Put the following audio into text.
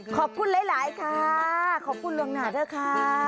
ขอบคุณหลายค่ะขอบคุณล่วงหน้าด้วยค่ะ